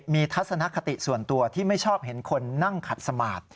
มีทัศนคติส่วนตัวที่ไม่ชอบเห็นคนนั่งขัดสมาธิ